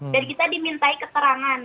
jadi kita dimintai keterangan